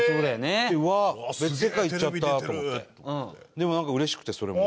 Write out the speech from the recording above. でもなんか嬉しくてそれも。